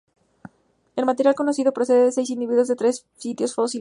El material conocido procede de seis individuos de tres sitios fósiles.